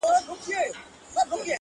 زه به ولي نن د دار سر ته ختلاى!.